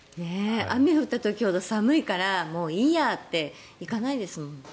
雨が降った時ほど寒いからもういいやって行かないですもん。